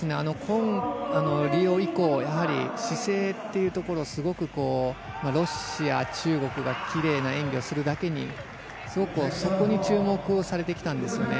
リオ以降姿勢というところをすごくロシア、中国が奇麗な演技をするだけにすごくそこに注目をされてきたんですよね。